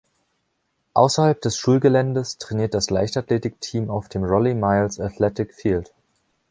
Außerhalb des Schulgeländes trainiert das Leichtathletikteam auf dem Rollie Miles Athletic Field.